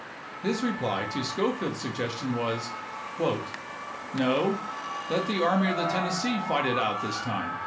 His reply to Schofield's suggestion was, " No. Let the Army of the Tennessee fight it out this time."